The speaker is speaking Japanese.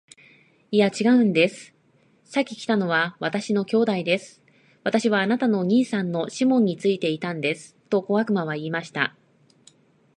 「いや、ちがうんです。先来たのは私の兄弟です。私はあなたの兄さんのシモンについていたんです。」と小悪魔は言いました。